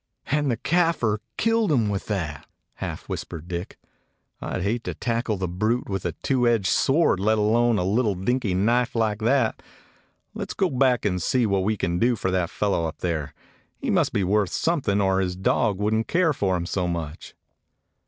"And the Kafir killed him with that!" half whispered Dick, "I 'd hate to tackle the 191 DOG HEROES OF MANY LANDS brute with a two edged sword, let alone with a dinky knife like that. Let 's go back and see what we can do for that fellow up there. He must be worth something, or his dog would n't care for him so much."